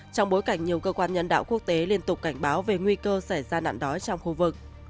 trong bối cảnh nhiều cơ quan nhân đạo quốc tế liên tục cảnh báo về nguy cơ xảy ra nạn đói trong khu vực